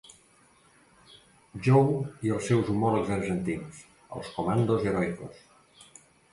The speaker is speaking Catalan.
Joe i els seus homòlegs argentins, els Comandos Heroicos.